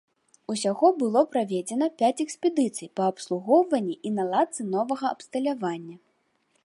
Усяго было праведзена пяць экспедыцый па абслугоўванні і наладцы новага абсталявання.